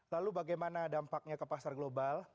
lalu bagaimana dampaknya ke pasar global